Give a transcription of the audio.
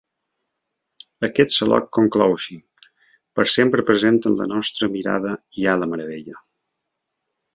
Aquest salok conclou així: Per sempre present en la nostra mirada hi ha la meravella.